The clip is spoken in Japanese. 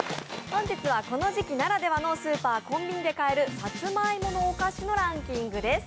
本日はこの時期ならではのスーパー・コンビニで買えるさつまいものお菓子の人気ランキングです。